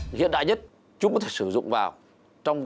nghiện đại nhất chúng có thể sử dụng vào